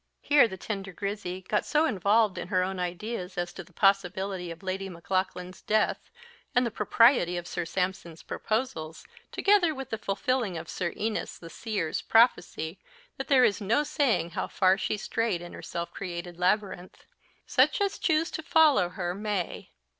Here the tender Grizzy got so involved in her own ideas as to the possibility of Lady Maclaughlan's death, and the propriety of Sir Sampson's proposals, together with the fulfilling of Sir Eneas the seer's prophecy, that there is no saying how far she strayed in her self created labyrinth. Such as choose to follow her may.